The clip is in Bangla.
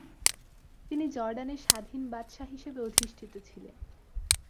তিনি জর্ডানের স্বাধীন বাদশাহ হিসেবে অধিষ্ঠিত ছিলেন।